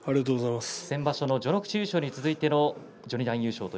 先場所の序ノ口優勝に続いての序二段優勝です。